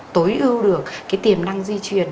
tối ưu được cái tiềm năng di truyền